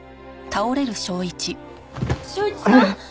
昇一さん？